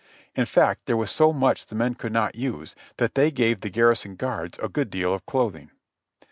In fact there was so much the men could not use that they gave the garrison guards a good deal of clothing.